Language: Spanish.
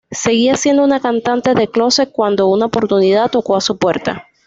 Seguía siendo una cantante de clóset, cuando una oportunidad tocó a su puerta.